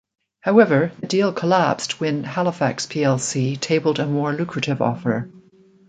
However the deal collapsed when Halifax plc tabled a more lucrative offer.